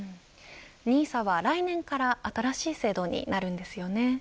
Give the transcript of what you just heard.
ＮＩＳＡは来年から新しい制度になるんですよね。